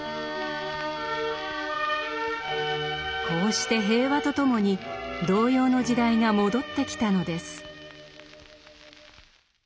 こうして平和とともに童謡の時代が戻ってきたのです。